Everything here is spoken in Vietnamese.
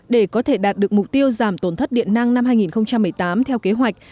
để có thể đạt được mục tiêu giảm tổn thất điện năng năm hai nghìn một mươi tám theo kế hoạch